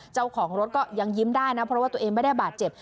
เจ้าของรถก็ยังยิ้มได้นะเพราะว่าตัวเองไม่ได้บาดเจ็บ